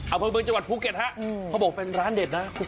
อัภวัยเมืองจังหวัดภูเกษภ่ะเขาบอกเป็นร้านเด็ดของภูเก็ตนะ